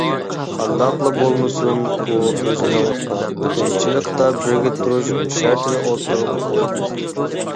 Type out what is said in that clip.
قانداقلا بولمىسۇن ئۇ ئۆزىنىڭ «تىنچلىقتا بىرگە تۇرۇش» شەرتىنى ئوتتۇرىغا قويدى.